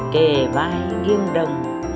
kề vai nghiêng đồng